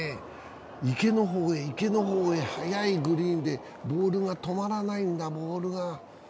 方へ池の方へ速いグリーンでボールが止まらないだ、ボールが。